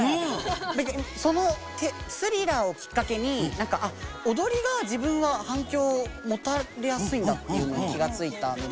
何かその「スリラー」をきっかけにあ踊りが自分は反響をもたれやすいんだっていうのに気が付いたんで。